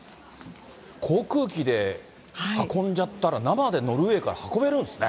航空機で運んじゃったら、生でノルウェーから運べるんですね。